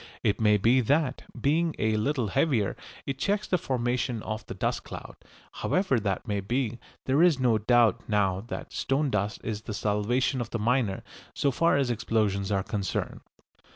It may be that, being a little heavier, it checks the formation of the dust cloud. However that may be, there is no doubt now that stone dust is the salvation of the miner so far as explosions are concerned.